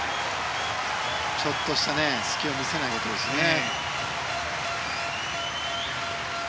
ちょっとした隙を見せないことですね。